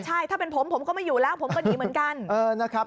ใช่ถ้าเป็นผมผมก็ไม่อยู่แล้วผมก็หนีเหมือนกันนะครับ